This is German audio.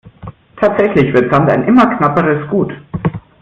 Tatsächlich wird Sand ein immer knapperes Gut.